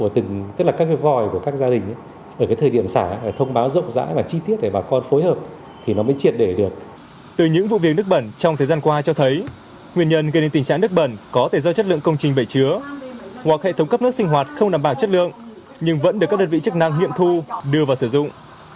tỉnh trái nước bẩn có thể do chất lượng công trình bày chứa hoặc hệ thống cấp nước sinh hoạt không nằm bằng chất lượng nhưng vẫn được các đơn vị chức năng nghiệm thu đưa vào sử dụng